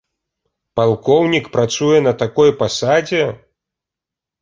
Палкоўнік працуе на такой пасадзе!